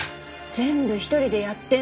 全部一人でやってんの。